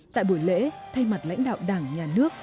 tại buổi lễ thay mặt lãnh đạo đảng nhà nước